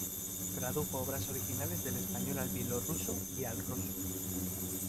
Tradujo obras originales del español al bielorruso y al ruso.